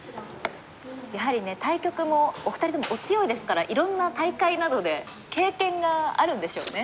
やはりね対局もお二人ともお強いですからいろんな大会などで経験があるんでしょうね。